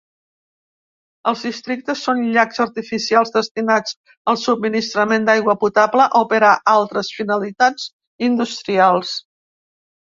Els districtes són llacs artificials destinats al subministrament d'aigua potable o per a altres finalitats industrials.